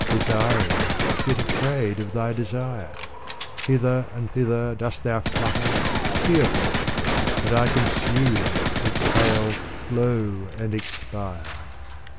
Desiring, yet afraid of thy Desire ! Hither and thither dost thou flutter, fearful ; But I consume, exhale, glow, and expire.